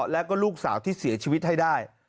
แล้วก็ลูกสาวที่เสียชีวิตให้ได้